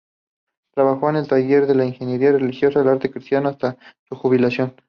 Trabajo en el taller de imaginería religiosa "El Arte Cristiano" hasta su jubilación.